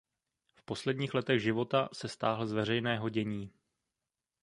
V posledních letech života se stáhl z veřejného dění.